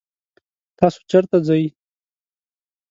تاسو چرته ځئ؟